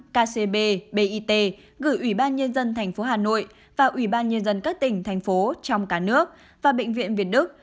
kcb bit gửi ủy ban nhân dân tp hà nội và ủy ban nhân dân các tỉnh thành phố trong cả nước và bệnh viện việt đức